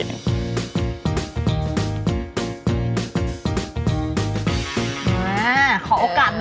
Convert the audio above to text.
ขอโอกาสน้องหน่อย